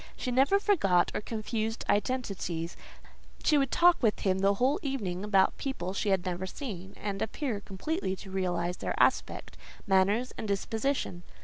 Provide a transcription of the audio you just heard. She never forgot, or confused identities: she would talk with him the whole evening about people she had never seen, and appear completely to realise their aspect, manners, and dispositions.